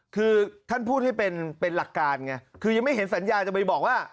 คือท่านพูดให้เป็นหลักการไงคือยังไม่เห็นสัญญาจะไปบอกว่า